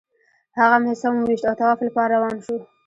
هغه مې سم وویشت او طواف لپاره روان شوو.